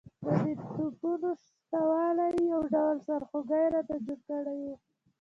د دې توپونو شته والی یو ډول سرخوږی راته جوړ کړی وو.